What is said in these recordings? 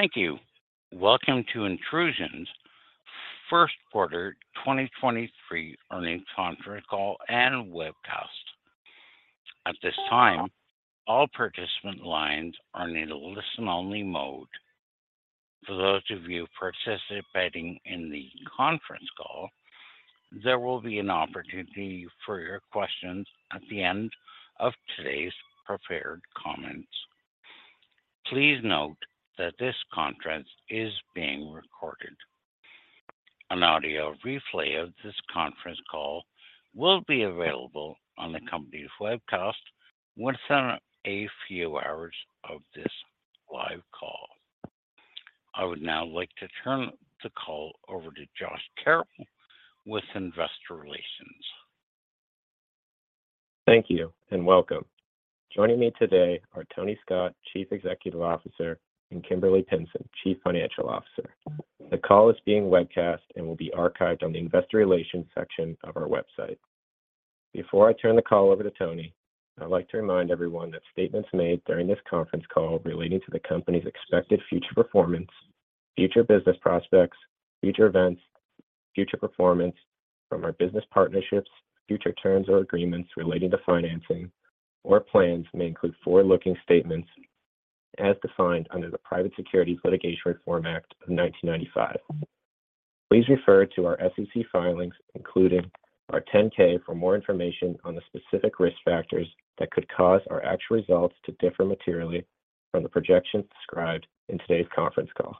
Thank you. Welcome to Intrusion's first quarter 2023 earnings conference call and webcast. At this time, all participant lines are in a listen-only mode. For those of you participating in the conference call, there will be an opportunity for your questions at the end of today's prepared comments. Please note that this conference is being recorded. An audio replay of this conference call will be available on the company's webcast within a few hours of this live call. I would now like to turn the call over to Josh Carroll with Investor Relations. Thank you and welcome. Joining me today are Tony Scott, Chief Executive Officer, and Kimberly Pinson, Chief Financial Officer. The call is being webcast and will be archived on the investor relations section of our website. Before I turn the call over to Tony, I'd like to remind everyone that statements made during this conference call relating to the company's expected future performance, future business prospects, future events, future performance from our business partnerships, future terms or agreements relating to financing or plans may include forward-looking statements as defined under the Private Securities Litigation Reform Act of 1995. Please refer to our SEC filings, including our 10-K, for more information on the specific risk factors that could cause our actual results to differ materially from the projections described in today's conference call.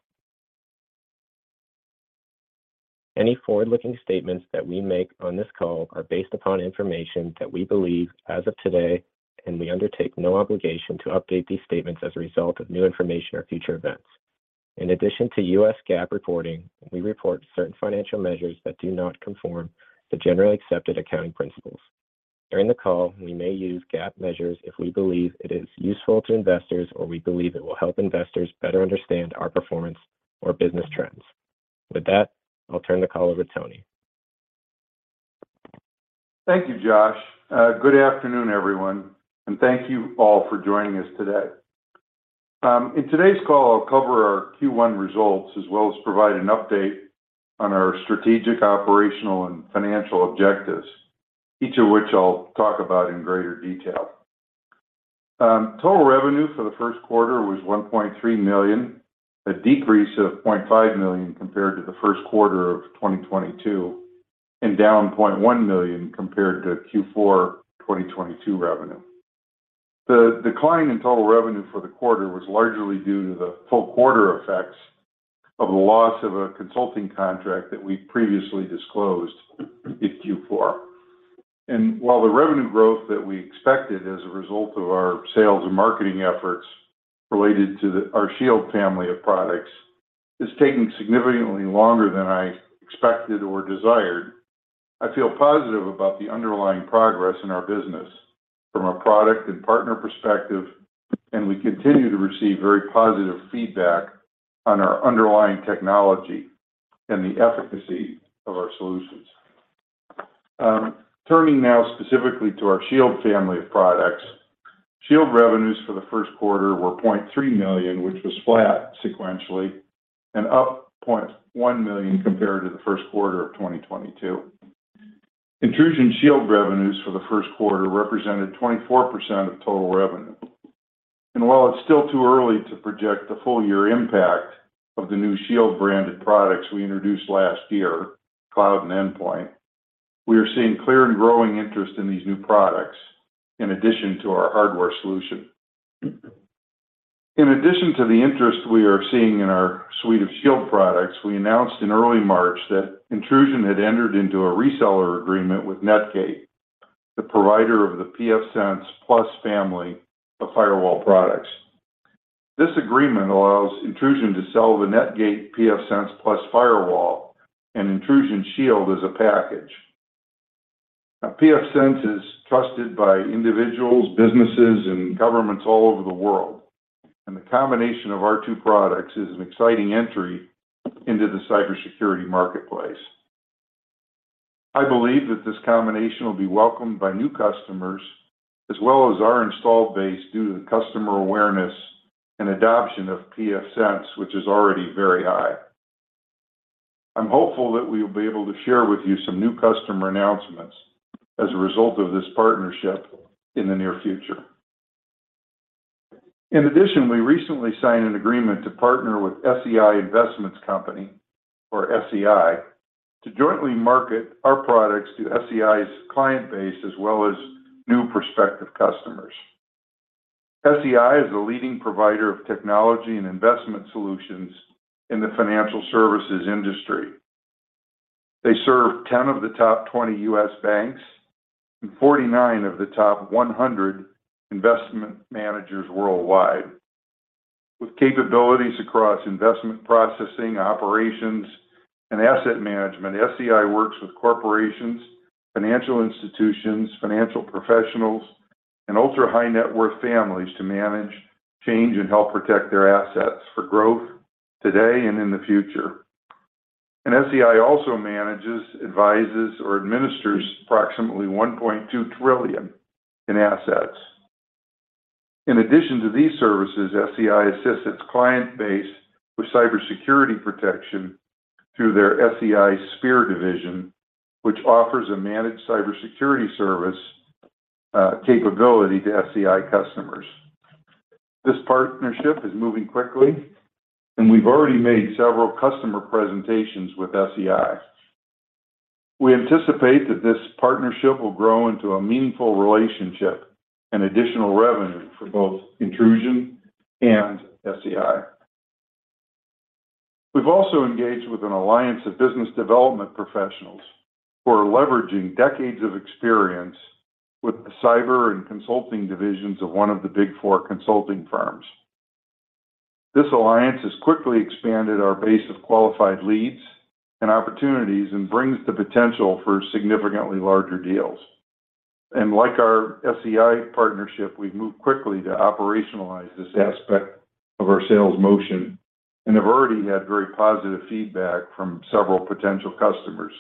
Any forward-looking statements that we make on this call are based upon information that we believe as of today, and we undertake no obligation to update these statements as a result of new information or future events. In addition to U.S. GAAP reporting, we report certain financial measures that do not conform to generally accepted accounting principles. During the call, we may use GAAP measures if we believe it is useful to investors or we believe it will help investors better understand our performance or business trends. With that, I'll turn the call over to Tony. Thank you, Josh. Good afternoon, everyone, and thank you all for joining us today. In today's call, I'll cover our Q1 results as well as provide an update on our strategic, operational and financial objectives, each of which I'll talk about in greater detail. Total revenue for the first quarter was $1.3 million, a decrease of $0.5 million compared to the first quarter of 2022, and down $0.1 million compared to Q4 2022 revenue. The decline in total revenue for the quarter was largely due to the full quarter effects of the loss of a consulting contract that we previously disclosed in Q4. While the revenue growth that we expected as a result of our sales and marketing efforts related to our Shield family of products is taking significantly longer than I expected or desired, I feel positive about the underlying progress in our business from a product and partner perspective, and we continue to receive very positive feedback on our underlying technology and the efficacy of our solutions. Turning now specifically to our Shield family of products. Shield revenues for the first quarter were $0.3 million, which was flat sequentially and up $0.1 million compared to the first quarter of 2022. Intrusion Shield revenues for the first quarter represented 24% of total revenue. While it's still too early to project the full year impact of the new Shield branded products we introduced last year, Cloud and Endpoint, we are seeing clear and growing interest in these new products in addition to our hardware solution. In addition to the interest we are seeing in our suite of Shield products, we announced in early March that Intrusion had entered into a reseller agreement with Netgate, the provider of the pfSense+ family of firewall products. This agreement allows Intrusion to sell the Netgate pfSense+ firewall and Intrusion Shield as a package. pfSense is trusted by individuals, businesses, and governments all over the world, and the combination of our two products is an exciting entry into the cybersecurity marketplace. I believe that this combination will be welcomed by new customers as well as our installed base due to the customer awareness and adoption of pfSense, which is already very high. I'm hopeful that we will be able to share with you some new customer announcements as a result of this partnership in the near future. We recently signed an agreement to partner with SEI Investments Company or SEI to jointly market our products to SEI's client base as well as new prospective customers. SEI is a leading provider of technology and investment solutions in the financial services industry. They serve 10 of the top 20 U.S. banks and 49 of the top 100 investment managers worldwide. With capabilities across investment processing, operations, and asset management, SEI works with corporations, financial institutions, financial professionals, and ultra-high net worth families to manage change and help protect their assets for growth today and in the future. SEI also manages, advises, or administers approximately $1.2 trillion in assets. In addition to these services, SEI assists its client base with cybersecurity protection through their SEI Sphere division, which offers a managed cybersecurity service capability to SEI customers. This partnership is moving quickly, and we've already made several customer presentations with SEI. We anticipate that this partnership will grow into a meaningful relationship and additional revenue for both Intrusion and SEI. We've also engaged with an alliance of business development professionals who are leveraging decades of experience with the cyber and consulting divisions of one of the big four consulting firms. This alliance has quickly expanded our base of qualified leads and opportunities and brings the potential for significantly larger deals. Like our SEI partnership, we've moved quickly to operationalize this aspect of our sales motion and have already had very positive feedback from several potential customers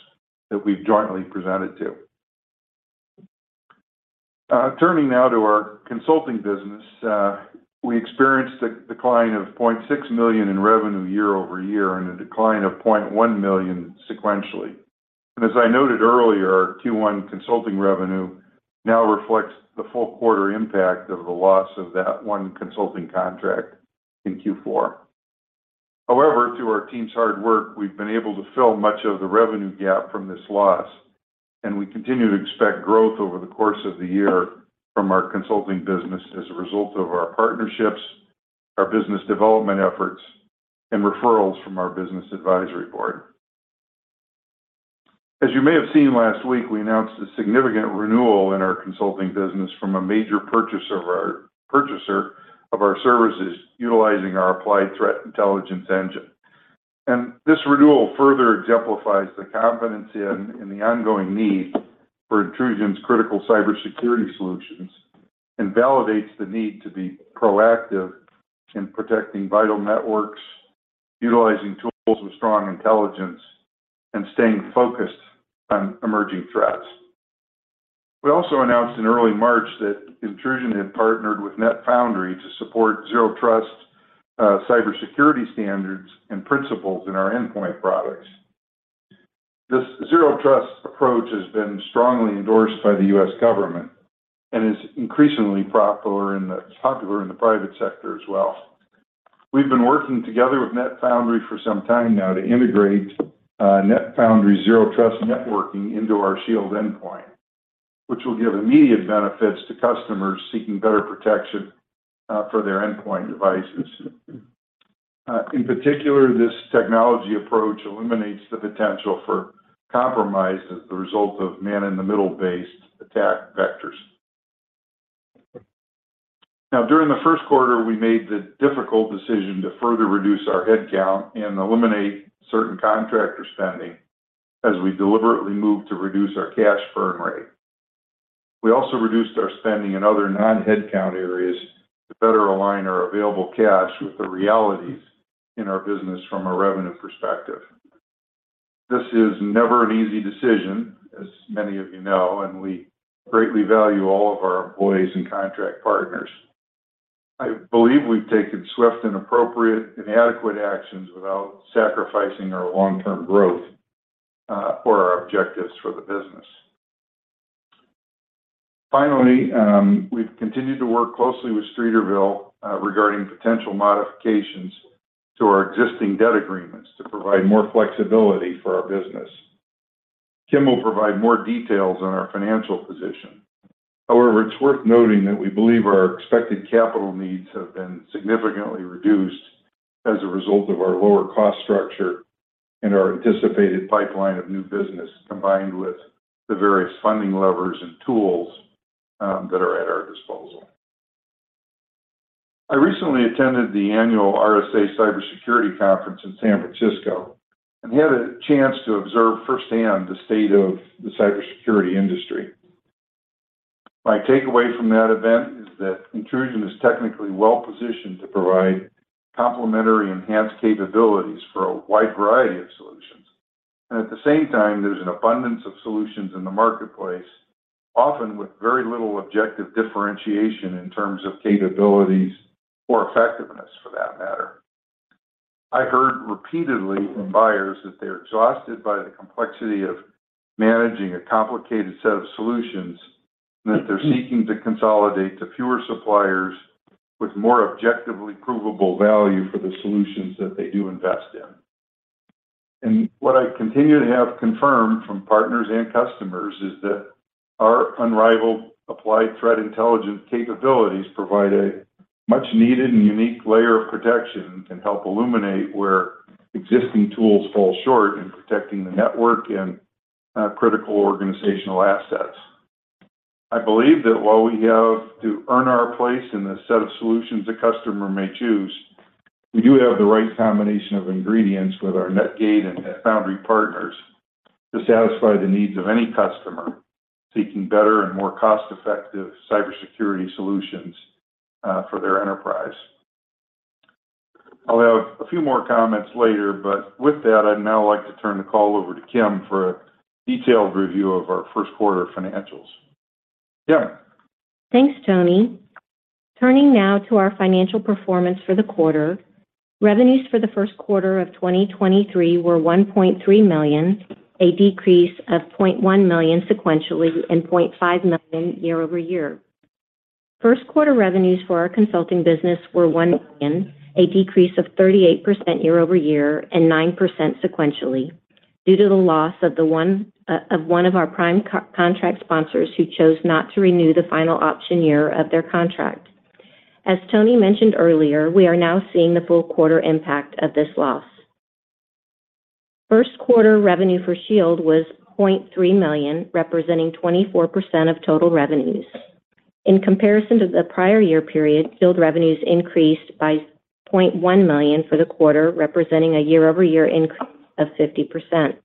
that we've jointly presented to. Turning now to our consulting business, we experienced a decline of $0.6 million in revenue year-over-year and a decline of $0.1 million sequentially. As I noted earlier, Q1 consulting revenue now reflects the full quarter impact of the loss of that one consulting contract in Q4. However, through our team's hard work, we've been able to fill much of the revenue gap from this loss, and we continue to expect growth over the course of the year from our consulting business as a result of our partnerships, our business development efforts, and referrals from our business advisory board. As you may have seen last week, we announced a significant renewal in our consulting business from a major purchaser of our services utilizing our Applied Threat Intelligence engine. And this renewal further exemplifies the confidence in and the ongoing need for Intrusion's critical cybersecurity solutions and validates the need to be proactive in protecting vital networks, utilizing tools with strong intelligence, and staying focused on emerging threats. We also announced in early March that Intrusion had partnered with NetFoundry to support zero trust cybersecurity standards and principles in our endpoint products. This zero-trust approach has been strongly endorsed by the U.S. government and is increasingly popular in the private sector as well. We've been working together with NetFoundry for some time now to integrate NetFoundry zero trust networking into our Shield Endpoint, which will give immediate benefits to customers seeking better protection for their endpoint devices. In particular, this technology approach eliminates the potential for compromise as the result of man-in-the-middle-based attack vectors. During the first quarter, we made the difficult decision to further reduce our headcount and eliminate certain contractor spending as we deliberately moved to reduce our cash burn rate. We also reduced our spending in other non-headcount areas to better align our available cash with the realities in our business from a revenue perspective. This is never an easy decision, as many of you know, and we greatly value all of our employees and contract partners. I believe we've taken swift and appropriate and adequate actions without sacrificing our long-term growth or our objectives for the business. Finally, we've continued to work closely with Streeterville regarding potential modifications to our existing debt agreements to provide more flexibility for our business. Kim will provide more details on our financial position. However, it's worth noting that we believe our expected capital needs have been significantly reduced as a result of our lower cost structure and our anticipated pipeline of new business, combined with the various funding levers and tools that are at our disposal. I recently attended the annual RSA Conference in San Francisco and had a chance to observe firsthand the state of the cybersecurity industry. My takeaway from that event is that Intrusion is technically well-positioned to provide complementary enhanced capabilities for a wide variety of solutions. At the same time, there's an abundance of solutions in the marketplace, often with very little objective differentiation in terms of capabilities or effectiveness for that matter. I heard repeatedly from buyers that they're exhausted by the complexity of managing a complicated set of solutions and that they're seeking to consolidate to fewer suppliers with more objectively provable value for the solutions that they do invest in. What I continue to have confirmed from partners and customers is that our unrivaled Applied Threat Intelligence capabilities provide a much-needed and unique layer of protection and can help illuminate where existing tools fall short in protecting the network and critical organizational assets. I believe that while we have to earn our place in the set of solutions a customer may choose, we do have the right combination of ingredients with our Netgate and NetFoundry partners to satisfy the needs of any customer seeking better and more cost-effective cybersecurity solutions for their enterprise. With that, I'd now like to turn the call over to Kim for a detailed review of our first quarter financials. Kim? Thanks, Tony. Turning now to our financial performance for the quarter. Revenues for the first quarter of 2023 were $1.3 million, a decrease of $0.1 million sequentially and $0.5 million year-over-year. First quarter revenues for our consulting business were $1 million, a decrease of 38% year-over-year and 9% sequentially due to the loss of one of our prime co-contract sponsors who chose not to renew the final option year of their contract. As Tony mentioned earlier, we are now seeing the full quarter impact of this loss. First quarter revenue for Shield was $0.3 million, representing 24% of total revenues. In comparison to the prior year period, Shield revenues increased by $0.1 million for the quarter, representing a year-over-year increase of 50%.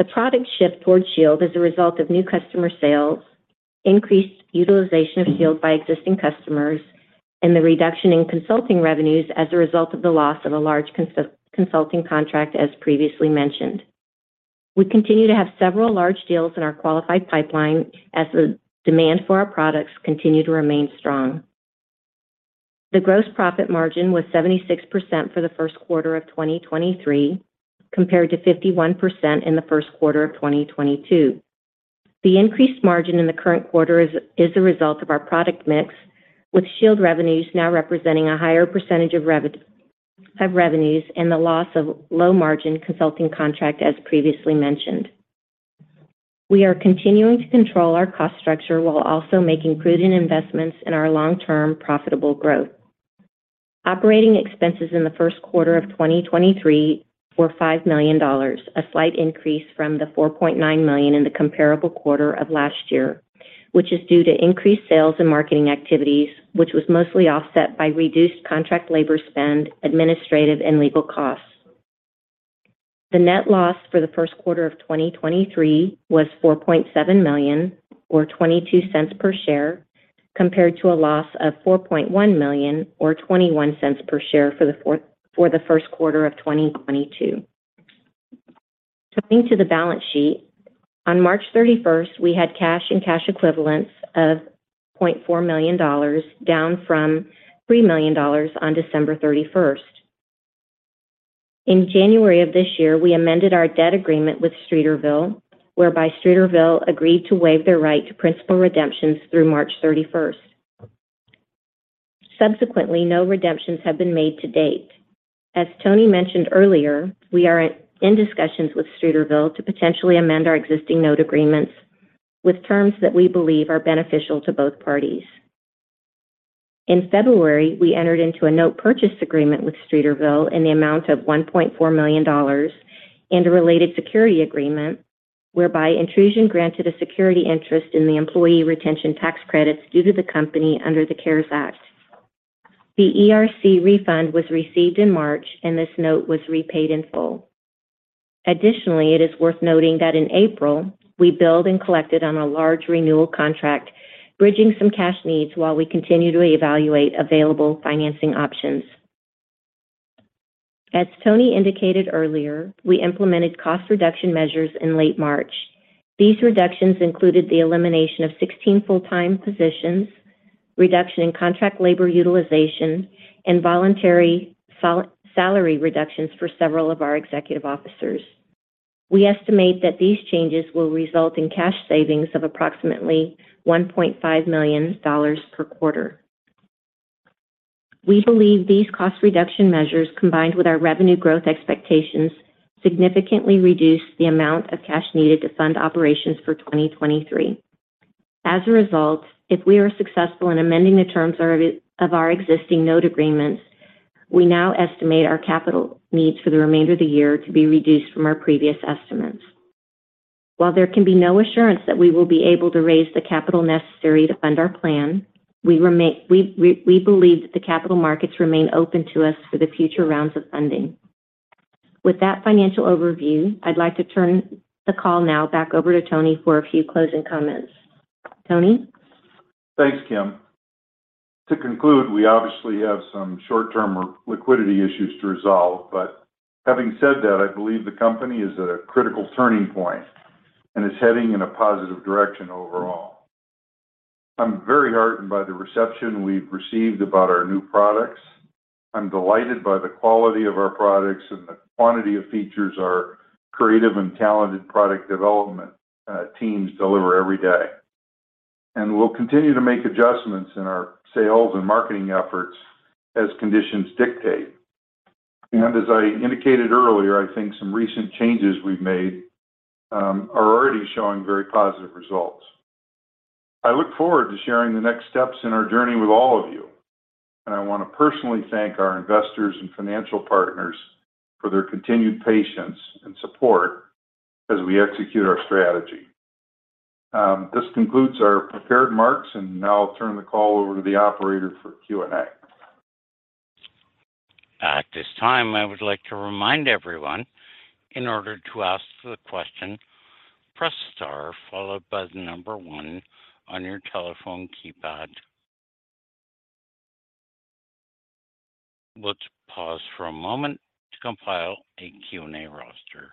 The product shift towards Shield is a result of new customer sales, increased utilization of Shield by existing customers, and the reduction in consulting revenues as a result of the loss of a large consulting contract, as previously mentioned. We continue to have several large deals in our qualified pipeline as the demand for our products continue to remain strong. The gross profit margin was 76% for the first quarter of 2023, compared to 51% in the first quarter of 2022. The increased margin in the current quarter is a result of our product mix, with Shield revenues now representing a higher percentage of revenues and the loss of low-margin consulting contract, as previously mentioned. We are continuing to control our cost structure while also making prudent investments in our long-term profitable growth. Operating expenses in the first quarter of 2023 were $5 million, a slight increase from the $4.9 million in the comparable quarter of last year, which is due to increased sales and marketing activities, which was mostly offset by reduced contract labor spend, administrative, and legal costs. The net loss for the first quarter of 2023 was $4.7 million, or $0.22 per share, compared to a loss of $4.1 million, or $0.21 per share for the first quarter of 2022. Turning to the balance sheet. On March 31st, we had cash and cash equivalents of $0.4 million, down from $3 million on December 31st. In January of this year, we amended our debt agreement with Streeterville, whereby Streeterville agreed to waive their right to principal redemptions through March 31st. Subsequently, no redemptions have been made to date. As Tony mentioned earlier, we are in discussions with Streeterville to potentially amend our existing note agreements with terms that we believe are beneficial to both parties. In February, we entered into a note purchase agreement with Streeterville in the amount of $1.4 million and a related security agreement whereby Intrusion granted a security interest in the Employee Retention Tax Credits due to the company under the CARES Act. The ERC refund was received in March. This note was repaid in full. It is worth noting that in April, we billed and collected on a large renewal contract, bridging some cash needs while we continue to evaluate available financing options. As Tony indicated earlier, we implemented cost reduction measures in late March. These reductions included the elimination of 16 full-time positions, reduction in contract labor utilization, and voluntary salary reductions for several of our executive officers. We estimate that these changes will result in cash savings of approximately $1.5 million per quarter. We believe these cost reduction measures, combined with our revenue growth expectations, significantly reduce the amount of cash needed to fund operations for 2023. As a result, if we are successful in amending the terms of our existing note agreements, we now estimate our capital needs for the remainder of the year to be reduced from our previous estimates. While there can be no assurance that we will be able to raise the capital necessary to fund our plan, we believe that the capital markets remain open to us for the future rounds of funding. With that financial overview, I'd like to turn the call now back over to Tony for a few closing comments. Tony? Thanks, Kim. To conclude, we obviously have some short-term liquidity issues to resolve, but having said that, I believe the company is at a critical turning point and is heading in a positive direction overall. I'm very heartened by the reception we've received about our new products. I'm delighted by the quality of our products and the quantity of features our creative and talented product development teams deliver every day. We'll continue to make adjustments in our sales and marketing efforts as conditions dictate. As I indicated earlier, I think some recent changes we've made are already showing very positive results. I look forward to sharing the next steps in our journey with all of you, and I wanna personally thank our investors and financial partners for their continued patience and support as we execute our strategy. This concludes our prepared remarks, and now I'll turn the call over to the operator for Q&A. At this time, I would like to remind everyone in order to ask the question, press star followed by one on your telephone keypad. Let's pause for a moment to compile a Q&A roster.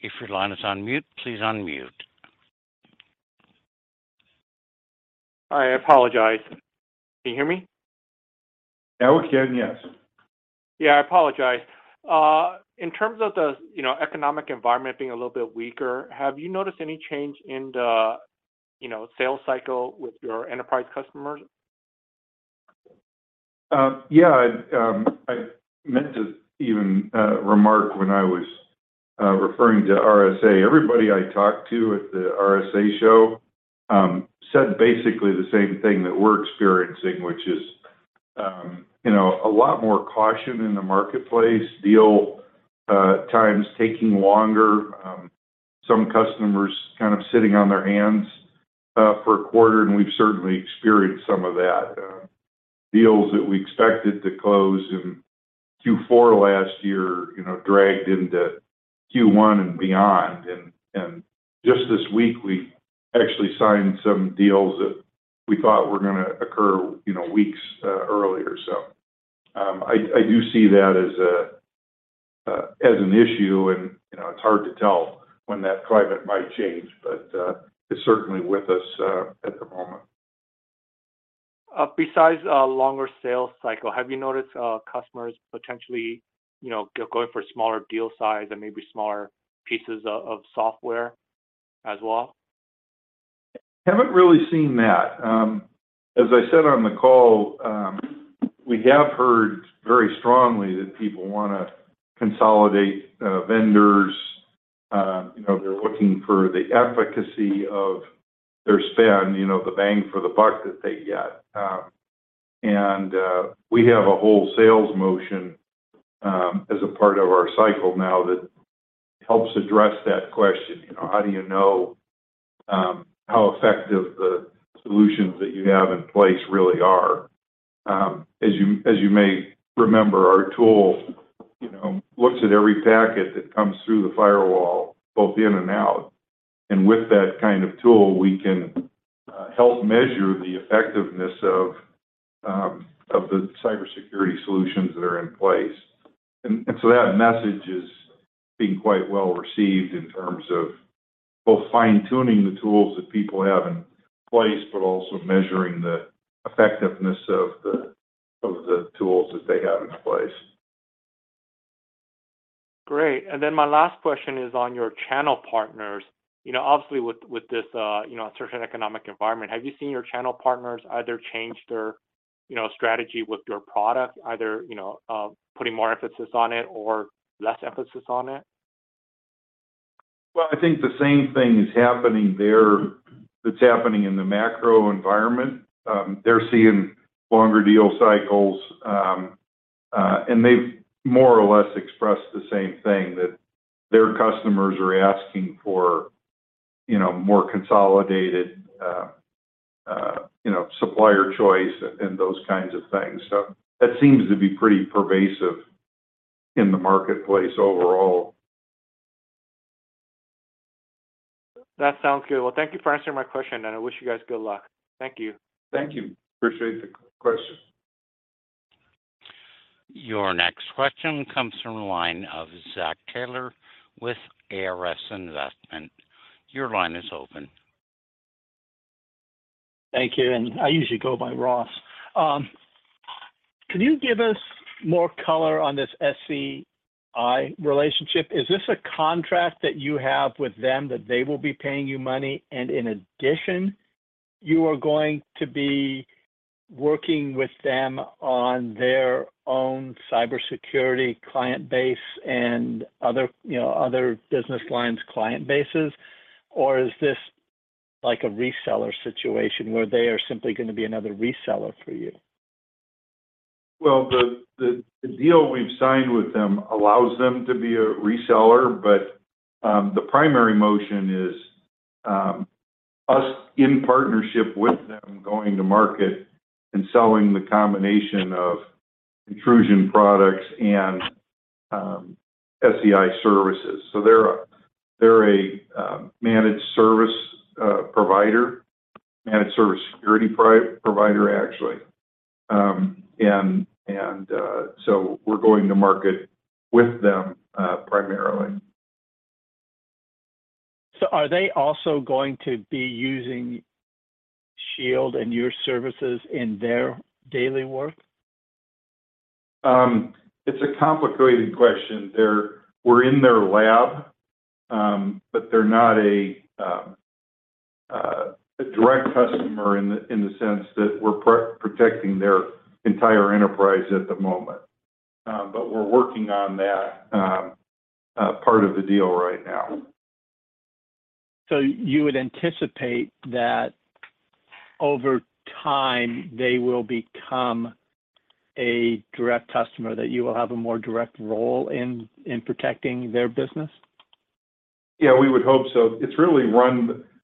If your line is on mute, please unmute. I apologize. Can you hear me? Now we can, yes. Yeah, I apologize. In terms of the, you know, economic environment being a little bit weaker, have you noticed any change in the, you know, sales cycle with your enterprise customers? Yeah. I meant to even remark when I was referring to RSA. Everybody I talked to at the RSA show said basically the same thing that we're experiencing, which is, you know, a lot more caution in the marketplace, deal times taking longer, some customers kind of sitting on their hands for a quarter, and we've certainly experienced some of that. Deals that we expected to close in Q4 last year, you know, dragged into Q1 and beyond. Just this week, we actually signed some deals that we thought were gonna occur, you know, weeks earlier. I do see that as an issue, and you know, it's hard to tell when that climate might change. It's certainly with us at the moment. Besides a longer sales cycle, have you noticed, customers potentially, you know, going for smaller deal size and maybe smaller pieces of software as well? Haven't really seen that. As I said on the call, we have heard very strongly that people wanna consolidate vendors. You know, they're looking for the efficacy of their spend, you know, the bang for the buck that they get. We have a whole sales motion as a part of our cycle now that helps address that question. You know, how do you know how effective the solutions that you have in place really are? As you, as you may remember, our tool, you know, looks at every packet that comes through the firewall, both in and out. With that kind of tool, we can help measure the effectiveness of the cybersecurity solutions that are in place. That message is being quite well-received in terms of both fine-tuning the tools that people have in place, but also measuring the effectiveness of the tools that they have in place. Great. Then my last question is on your channel partners. You know, obviously with this, you know, uncertain economic environment, have you seen your channel partners either change their, you know, strategy with your product, either, you know, putting more emphasis on it or less emphasis on it? Well, I think the same thing is happening there that's happening in the macro environment. They're seeing longer deal cycles, and they've more or less expressed the same thing that their customers are asking for, you know, more consolidated, you know, supplier choice and those kinds of things. That seems to be pretty pervasive in the marketplace overall. That sounds good. Thank you for answering my question, and I wish you guys good luck. Thank you. Thank you. Appreciate the question. Your next question comes from the line of Zach Taylor with ARS Investment. Your line is open. Thank you, and I usually go by Ross. Can you give us more color on this SEI relationship? Is this a contract that you have with them that they will be paying you money, and in addition, you are going to be working with them on their own cybersecurity client base and other, you know, other business lines client bases? Is this like a reseller situation where they are simply going to be another reseller for you? Well, the deal we've signed with them allows them to be a reseller, but the primary motion is us in partnership with them going to market and selling the combination of Intrusion products and SEI services. They're a managed service provider, managed service security provider, actually. We're going to market with them primarily. Are they also going to be using Shield and your services in their daily work? It's a complicated question. We're in their lab, but they're not a direct customer in the sense that we're protecting their entire enterprise at the moment. We're working on that part of the deal right now. You would anticipate that over time, they will become a direct customer, that you will have a more direct role in protecting their business? Yeah, we would hope so.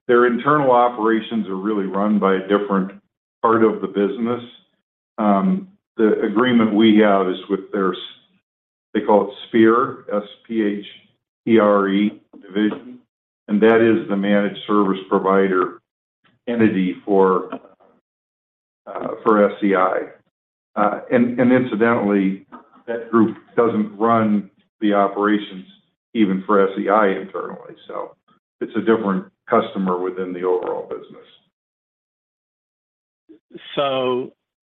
Their internal operations are really run by a different part of the business. The agreement we have is with their, they call it Sphere, S-P-H-E-R-E division, and that is the managed service provider entity for SEI. And incidentally, that group doesn't run the operations even for SEI internally. It's a different customer within the overall business.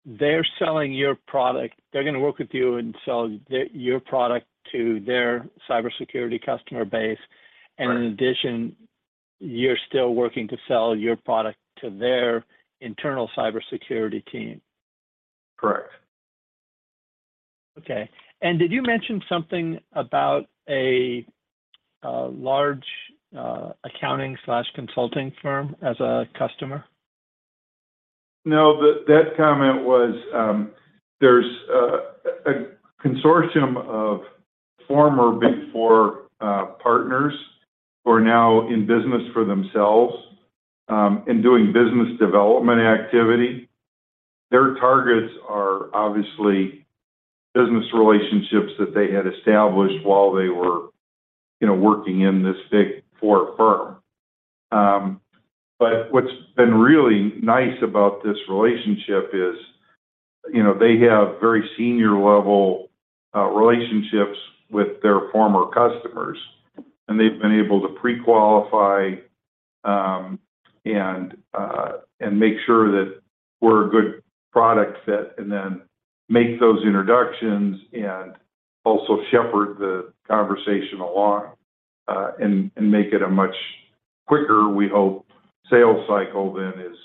They're selling your product. They're going to work with you and sell your product to their cybersecurity customer base. Right. In addition, you're still working to sell your product to their internal cybersecurity team. Correct. Okay. Did you mention something about a large accounting/consulting firm as a customer? No, that comment was, there's a consortium of former big four partners who are now in business for themselves and doing business development activity. Their targets are obviously business relationships that they had established while they were, you know, working in this big four firm. What's been really nice about this relationship is, you know, they have very senior level relationships with their former customers, and they've been able to prequalify and make sure that we're a good product fit and then make those introductions and also shepherd the conversation along and make it a much quicker, we hope, sales cycle than is,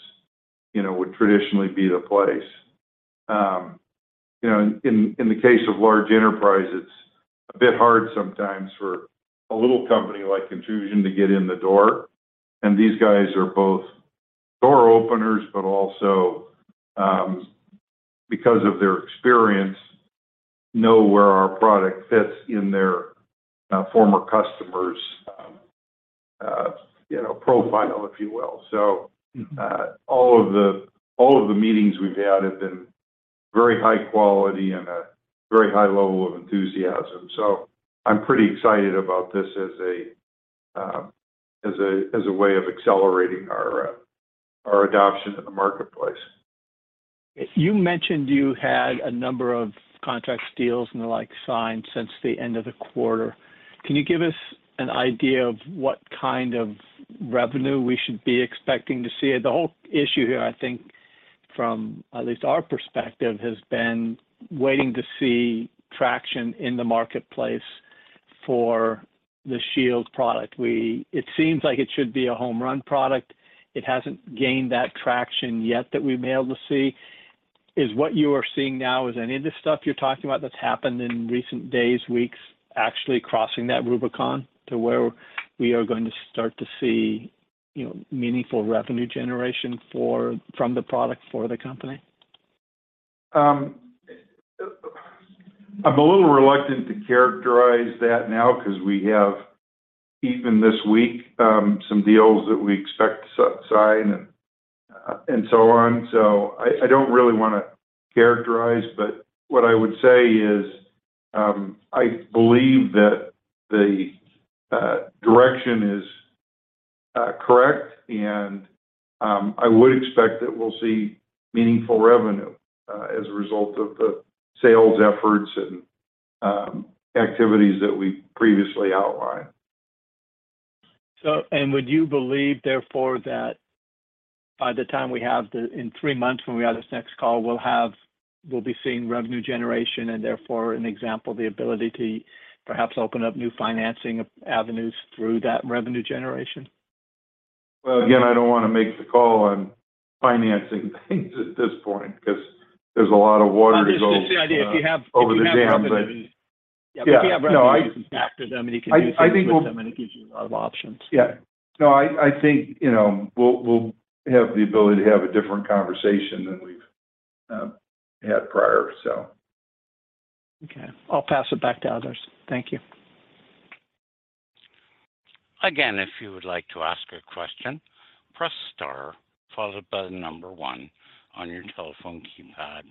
you know, would traditionally be the place. You know, in the case of large enterprise, it's a bit hard sometimes for a little company like Intrusion to get in the door. These guys are both door openers, but also, because of their experience, know where our product fits in their, former customer's, you know, profile, if you will. Mm-hmm All of the meetings we've had have been very high quality and a very high level of enthusiasm. I'm pretty excited about this as a way of accelerating our adoption in the marketplace. You mentioned you had a number of contract deals and the like signed since the end of the quarter. Can you give us an idea of what kind of revenue we should be expecting to see? The whole issue here, I think from at least our perspective, has been waiting to see traction in the marketplace for the Shield product. It seems like it should be a home run product. It hasn't gained that traction yet that we've been able to see. Is what you are seeing now, is any of this stuff you're talking about that's happened in recent days, weeks, actually crossing that Rubicon to where we are going to start to see, you know, meaningful revenue generation from the product for the company? I'm a little reluctant to characterize that now because we have, even this week, some deals that we expect to sign and so on. I don't really want to characterize, but what I would say is, I believe that the direction is correct, and I would expect that we'll see meaningful revenue as a result of the sales efforts and activities that we previously outlined. Would you believe, therefore, that by the time we have in 3 months when we have this next call, we'll be seeing revenue generation and therefore, an example, the ability to perhaps open up new financing avenues through that revenue generation? Well, again, I don't want to make the call on financing things at this point because there's a lot of water to go... Just the idea. Over the dam. Yeah. No. We have revenue you can factor them, and you can do things with them, and it gives you a lot of options. Yeah. No, I think, you know, we'll have the ability to have a different conversation than we've had prior. Okay. I'll pass it back to others. Thank you. Again, if you would like to ask a question, press star followed by one on your telephone keypad.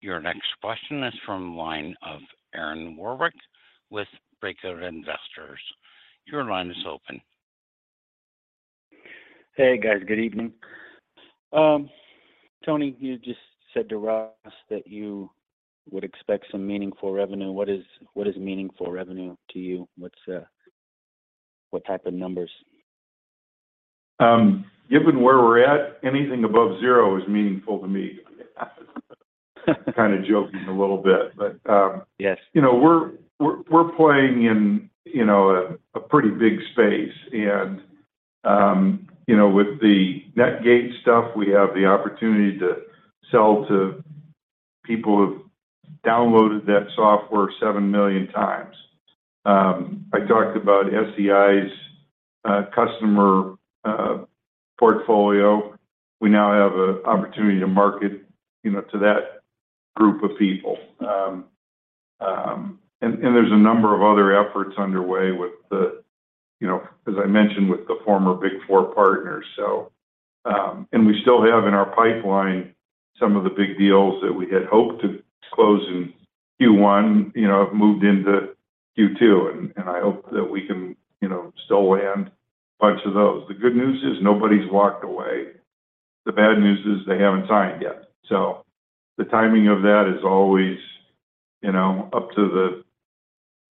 Your next question is from line of Aaron Warwick with Breakout Investors. Your line is open. Hey, guys. Good evening. Tony, you just said to Ross that you would expect some meaningful revenue. What is meaningful revenue to you? What's what type of numbers? Given where we're at, anything above zero is meaningful to me. Kinda joking a little bit, but. Yes.... you know, we're playing in, you know, a pretty big space. you know, with the Netgate stuff, we have the opportunity to sell to people who've downloaded that software 7 million times. I talked about SEI's customer portfolio. We now have a opportunity to market, you know, to that group of people. and there's a number of other efforts underway with the, you know, as I mentioned, with the former Big Four partners, so. we still have in our pipeline some of the big deals that we had hoped to close in Q1, you know, have moved into Q2, and I hope that we can, you know, still land a bunch of those. The good news is nobody's walked away. The bad news is they haven't signed yet. The timing of that is always, you know, up to the,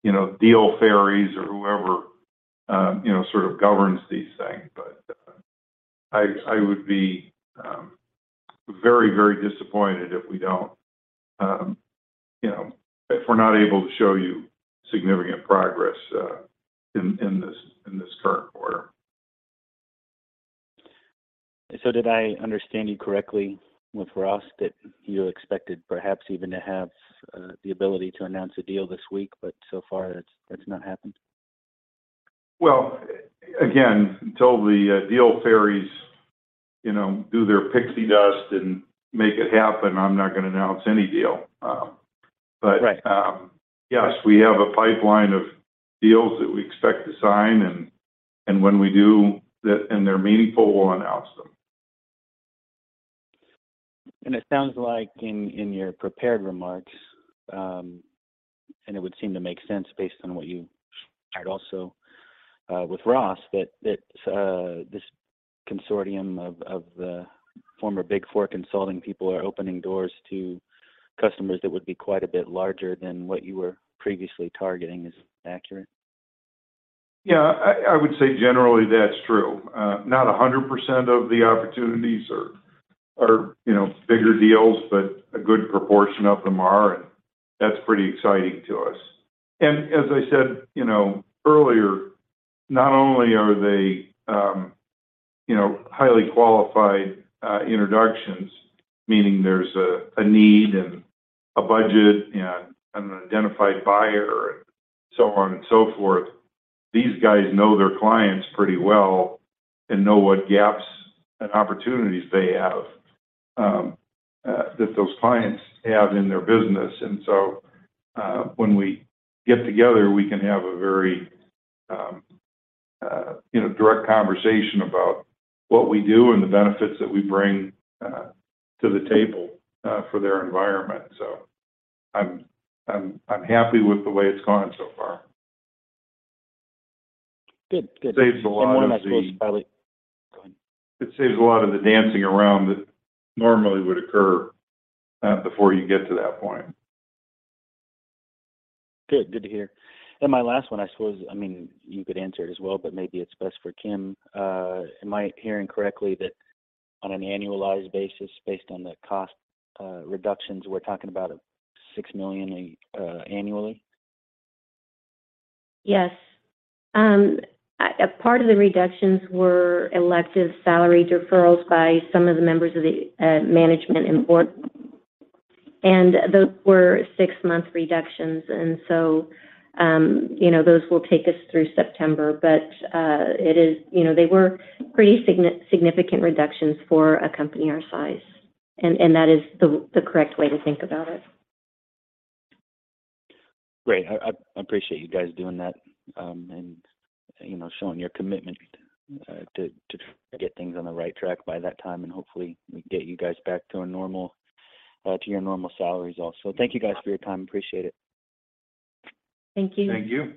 you know, deal fairies or whoever, you know, sort of governs these things. I would be very, very disappointed if we don't, you know, if we're not able to show you significant progress in this current quarter. Did I understand you correctly with Ross that you expected perhaps even to have the ability to announce a deal this week, but so far that's not happened? Well, again, until the deal fairies, you know, do their pixie dust and make it happen, I'm not gonna announce any deal. Right Yes, we have a pipeline of deals that we expect to sign, and when we do that and they're meaningful, we'll announce them. It sounds like in your prepared remarks, and it would seem to make sense based on what you shared also, with Ross, that this consortium of the former Big Four consulting people are opening doors to customers that would be quite a bit larger than what you were previously targeting. Is that accurate? Yeah. I would say generally that's true. Not 100% of the opportunities are, you know, bigger deals, but a good proportion of them are. That's pretty exciting to us. As I said, you know, earlier, not only are they, you know, highly qualified introductions, meaning there's a need and a budget and an identified buyer and so on and so forth, these guys know their clients pretty well and know what gaps and opportunities they have that those clients have in their business. So, when we get together, we can have a very, you know, direct conversation about what we do and the benefits that we bring to the table for their environment. So I'm happy with the way it's gone so far. Good. Saves a lot of. One, I suppose, probably... Go ahead. It saves a lot of the dancing around that normally would occur, before you get to that point. Good to hear. My last one, I suppose, I mean, you could answer it as well, but maybe it's best for Kim. Am I hearing correctly that on an annualized basis, based on the cost reductions, we're talking about a $6 million annually? Yes. A part of the reductions were elective salary deferrals by some of the members of the management and board, and those were 6-month reductions. You know, those will take us through September. You know, they were pretty significant reductions for a company our size, and that is the correct way to think about it. Great. I appreciate you guys doing that, you know, showing your commitment to try to get things on the right track by that time, and hopefully we can get you guys back to your normal salaries also. Thank you guys for your time. Appreciate it. Thank you. Thank you.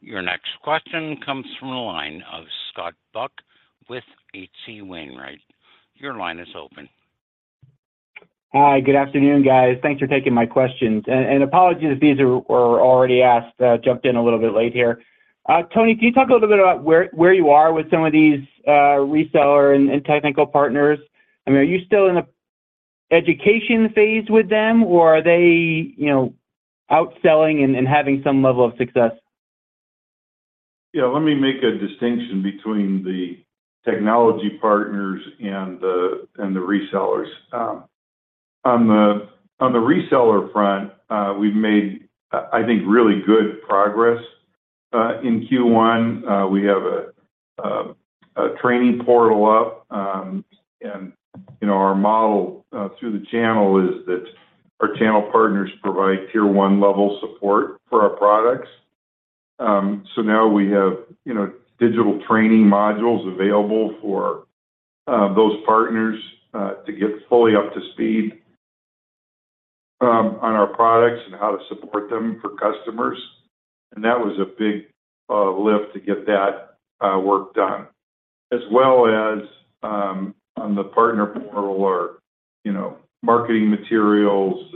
Your next question comes from the line of Scott Buck with H.C. Wainwright. Your line is open. Hi. Good afternoon, guys. Thanks for taking my questions. Apologies if these were already asked. Jumped in a little bit late here. Tony, can you talk a little bit about where you are with some of these, reseller and technical partners? I mean, are you still in a education phase with them, or are they, you know, out selling and having some level of success? Yeah, let me make a distinction between the technology partners and the resellers. On the reseller front, we've made, I think, really good progress in Q1. We have a training portal up. You know, our model through the channel is that our channel partners provide tier one level support for our products. So now we have, you know, digital training modules available for those partners to get fully up to speed on our products and how to support them for customers. That was a big lift to get that work done, as well as on the partner portal or, you know, marketing materials,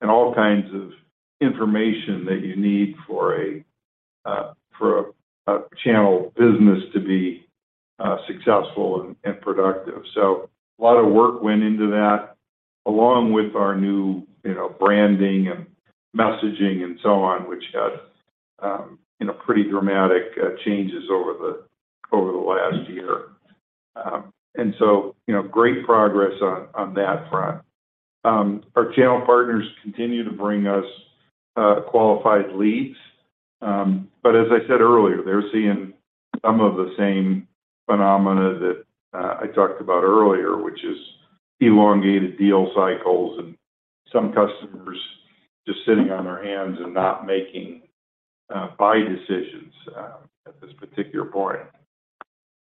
and all kinds of information that you need for a channel business to be successful and productive. A lot of work went into that along with our new, you know, branding and messaging and so on, which had, you know, pretty dramatic changes over the, over the last year. You know, great progress on that front. Our channel partners continue to bring us qualified leads. As I said earlier, they're seeing some of the same phenomena that I talked about earlier, which is elongated deal cycles and some customers just sitting on their hands and not making buy decisions at this particular point.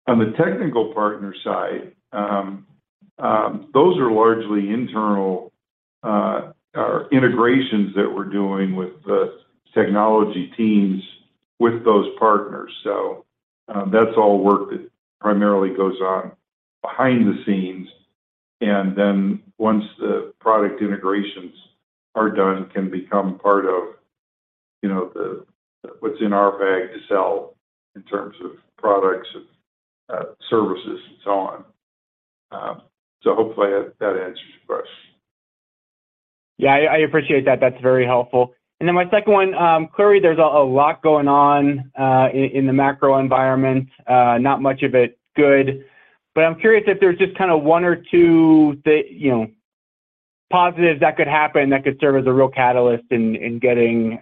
On the technical partner side, those are largely internal or integrations that we're doing with the technology teams with those partners. That's all work that primarily goes on behind the scenes. Once the product integrations are done, can become part of, you know, what's in our bag to sell in terms of products and services and so on. Hopefully that answers your question. Yeah, I appreciate that. That's very helpful. My second one, clearly there's a lot going on in the macro environment, not much of it good. But I'm curious if there's just kinda 1 or 2 that, you know, positives that could happen that could serve as a real catalyst in getting,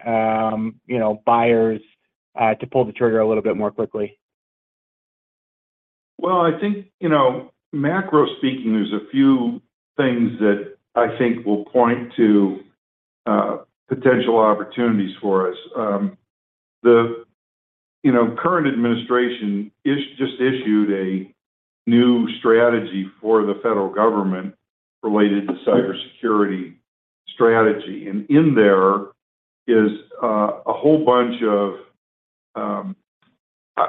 you know, buyers to pull the trigger a little bit more quickly. Well, I think, you know, macro speaking, there's a few things that I think will point to potential opportunities for us. The, you know, current administration just issued a new strategy for the federal government related to cybersecurity strategy. In there is a whole bunch of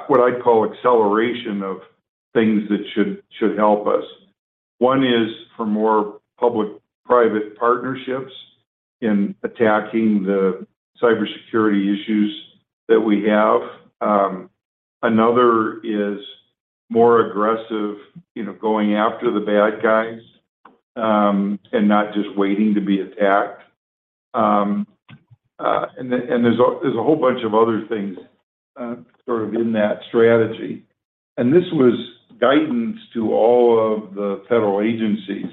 what I'd call acceleration of things that should help us. One is for more public-private partnerships in attacking the cybersecurity issues that we have. Another is more aggressive, you know, going after the bad guys, and not just waiting to be attacked. Then there's a whole bunch of other things sort of in that strategy. This was guidance to all of the federal agencies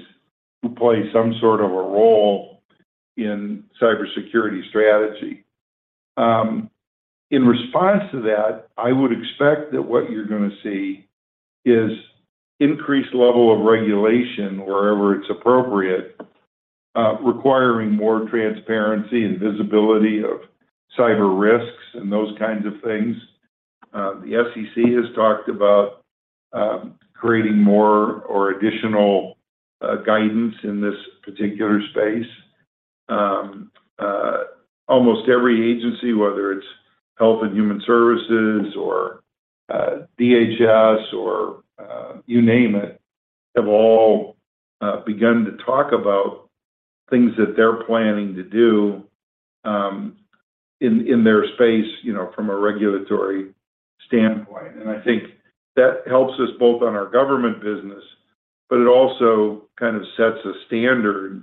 who play some sort of a role in cybersecurity strategy. In response to that, I would expect that what you're gonna see is increased level of regulation wherever it's appropriate, requiring more transparency and visibility of cyber risks and those kinds of things. The SEC has talked about, creating more or additional guidance in this particular space. Almost every agency, whether it's Health and Human Services or DHS or you name it, have all begun to talk about things that they're planning to do in their space, you know, from a regulatory standpoint. I think that helps us both on our government business, but it also kind of sets a standard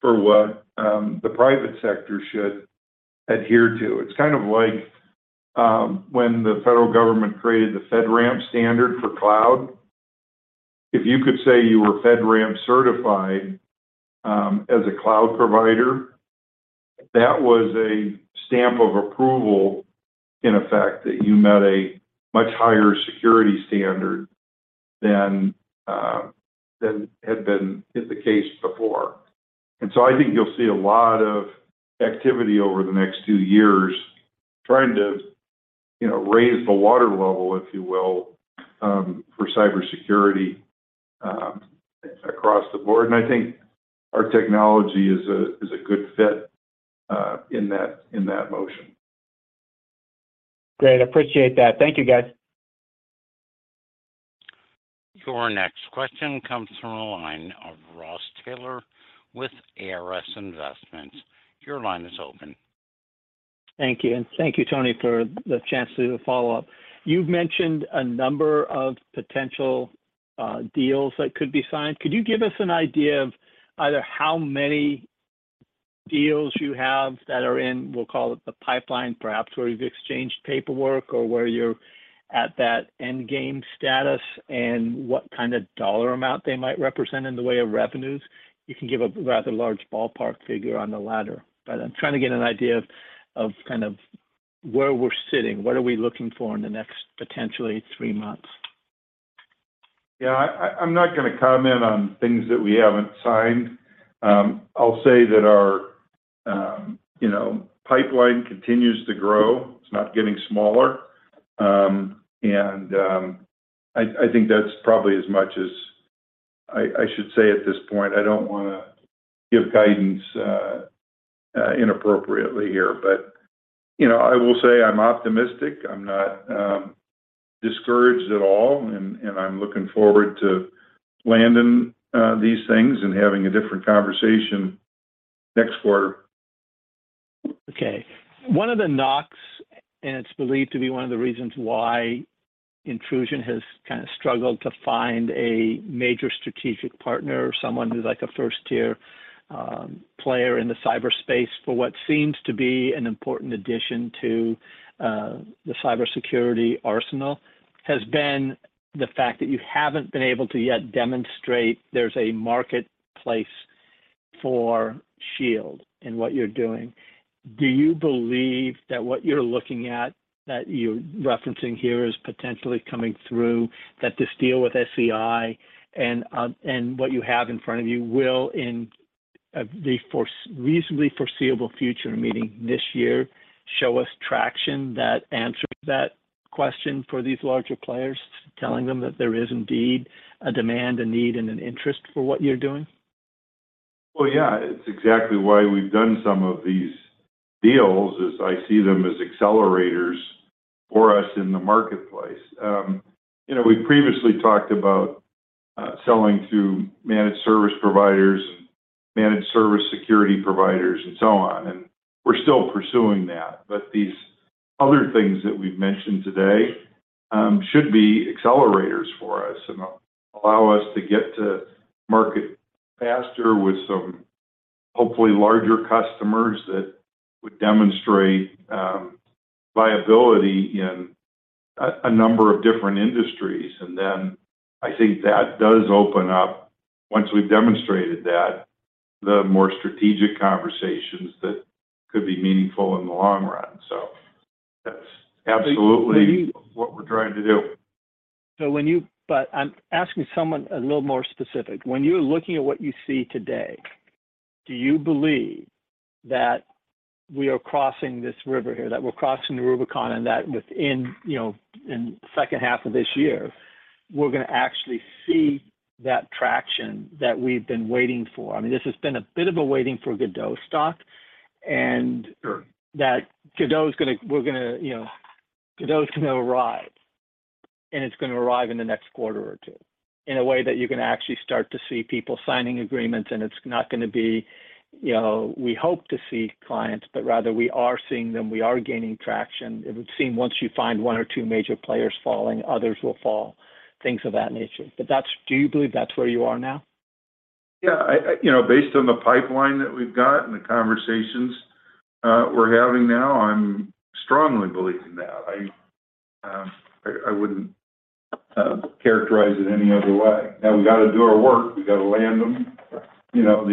for what the private sector should adhere to. It's kind of like when the federal government created the FedRAMP standard for cloud. If you could say you were FedRAMP certified, as a cloud provider, that was a stamp of approval in effect that you met a much higher security standard than had been is the case before. I think you'll see a lot of activity over the next two years trying to, you know, raise the water level, if you will, for cybersecurity, across the board. I think our technology is a good fit, in that, in that motion. Great. I appreciate that. Thank you, guys. Your next question comes from the line of Ross Taylor with ARS Investments. Your line is open. Thank you. Thank you, Tony, for the chance to do the follow-up. You've mentioned a number of potential deals that could be signed. Could you give us an idea of either how many deals you have that are in, we'll call it the pipeline, perhaps where you've exchanged paperwork or where you're at that end game status and what kind of dollar amount they might represent in the way of revenues? You can give a rather large ballpark figure on the latter, but I'm trying to get an idea of kind of where we're sitting, what are we looking for in the next potentially three months. Yeah. I'm not gonna comment on things that we haven't signed. I'll say that our, you know, pipeline continues to grow. It's not getting smaller. I think that's probably as much as I should say at this point, I don't wanna give guidance inappropriately here, but, you know, I will say I'm optimistic. I'm not discouraged at all and I'm looking forward to landing these things and having a different conversation next quarter. Okay. One of the knocks, and it's believed to be one of the reasons why Intrusion has kind of struggled to find a major strategic partner or someone who's like a first tier player in the cyber space for what seems to be an important addition to the cybersecurity arsenal, has been the fact that you haven't been able to yet demonstrate there's a marketplace for Shield and what you're doing. Do you believe that what you're looking at, that you're referencing here is potentially coming through, that this deal with SEI and what you have in front of you will in the reasonably foreseeable future, meaning this year, show us traction that answers that question for these larger players, telling them that there is indeed a demand, a need, and an interest for what you're doing? Well, yeah. It's exactly why we've done some of these deals is I see them as accelerators for us in the marketplace. you know, we previously talked about, selling to managed service providers and managed security service providers and so on, and we're still pursuing that. These other things that we've mentioned today, should be accelerators for us and allow us to get to market faster with some hopefully larger customers that would demonstrate, viability in a number of different industries. I think that does open up, once we've demonstrated that, the more strategic conversations that could be meaningful in the long run. That's absolutely what we're trying to do. I'm asking someone a little more specific. When you're looking at what you see today, do you believe that we are crossing this river here, that we're crossing the Rubicon, and that within, you know, in H2 of this year, we're gonna actually see that traction that we've been waiting for? I mean, this has been a bit of a waiting for Godot stock. Sure. -that Godot is gonna, you know, Godot is gonna arrive, and it's gonna arrive in the next quarter or two in a way that you can actually start to see people signing agreements. It's not gonna be, you know, we hope to see clients, but rather we are seeing them, we are gaining traction. It would seem once you find one or two major players falling, others will fall, things of that nature. Do you believe that's where you are now? You know, based on the pipeline that we've got and the conversations we're having now, I'm strongly believing that. I wouldn't characterize it any other way. We gotta do our work, we gotta land them. You know,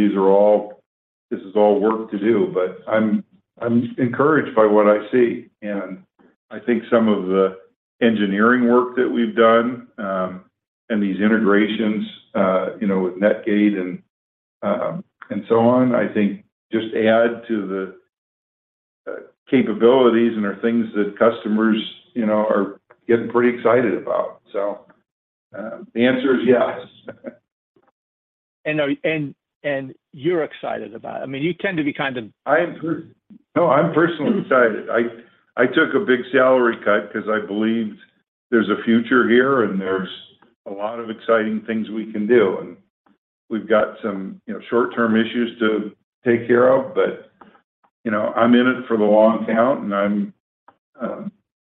this is all work to do, but I'm encouraged by what I see. I think some of the engineering work that we've done, and these integrations, you know, with Netgate and so on, I think just add to the capabilities and are things that customers, you know, are getting pretty excited about. The answer is yes. and you're excited about it. I mean, you tend to be kind of- No, I'm personally excited. I took a big salary cut 'cause I believed there's a future here and there's a lot of exciting things we can do. We've got some, you know, short-term issues to take care of. You know, I'm in it for the long count and I'm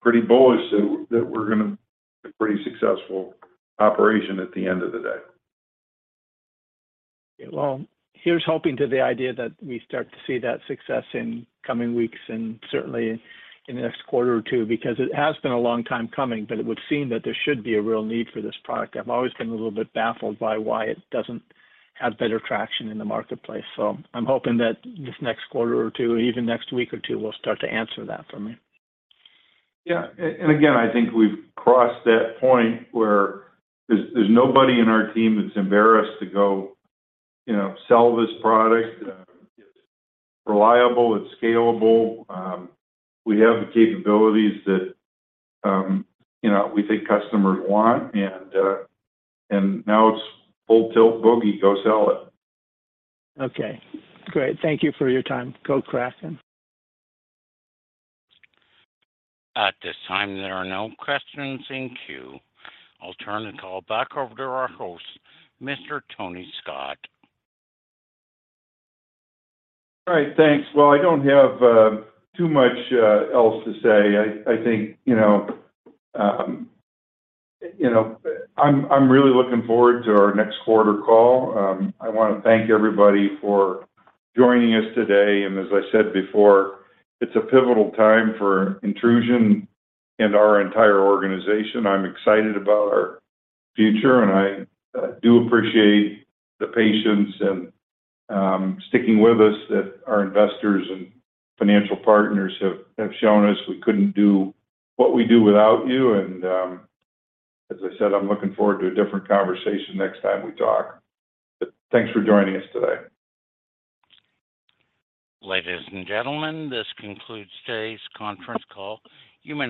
pretty bullish that we're gonna be a pretty successful operation at the end of the day. Here's hoping to the idea that we start to see that success in coming weeks and certainly in the next quarter or two, because it has been a long time coming, but it would seem that there should be a real need for this product. I've always been a little bit baffled by why it doesn't have better traction in the marketplace. I'm hoping that this next quarter or two, even next week or two, will start to answer that for me. Yeah. Again, I think we've crossed that point where there's nobody in our team that's embarrassed to go, you know, sell this product. It's reliable, it's scalable. We have the capabilities that, you know, we think customers want and now it's full tilt boogie, go sell it. Okay, great. Thank you for your time. Go Craftsman. At this time, there are no questions in queue. I'll turn the call back over to our host, Mr. Tony Scott. All right, thanks. Well, I don't have too much else to say. I think, you know, I'm really looking forward to our next quarter call. I wanna thank everybody for joining us today, and as I said before, it's a pivotal time for Intrusion and our entire organization. I'm excited about our future, and I do appreciate the patience and sticking with us that our investors and financial partners have shown us. We couldn't do what we do without you. As I said, I'm looking forward to a different conversation next time we talk. Thanks for joining us today. Ladies and gentlemen, this concludes today's conference call. You may